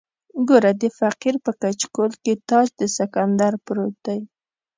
ګوره د فقیر په کچکول کې تاج د سکندر پروت دی.